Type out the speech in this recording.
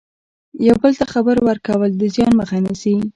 یو بل ته خبر ورکول د زیان مخه نیسي.